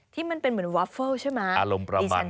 ที่มันเป็นเหมือนวาเฟิลใช่ไหมอารมณ์ประมาณนั้น